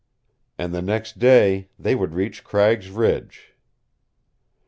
And the next day they would reach Cragg's Ridge!